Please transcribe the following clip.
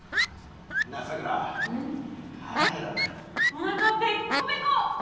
おなかペッコペコ。